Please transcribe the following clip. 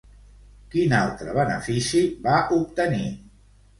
Quin altre benefici va obtenir?